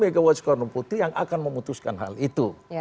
megawati soekarno putri yang akan memutuskan hal itu